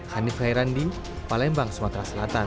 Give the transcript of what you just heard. hanif hairandi palembang sumatera selatan